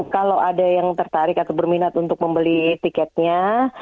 kalau ada yang tertarik atau berminat untuk membeli tiketnya